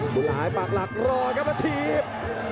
บุญหลายปากหลักรอนะทีฟ